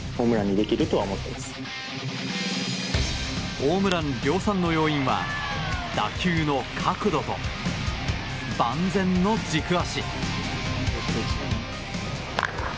ホームラン量産の要因は打球の角度と万全の軸足。